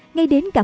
ngay đến cả